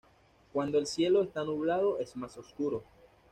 Cuando el cielo está nublado es más oscuro.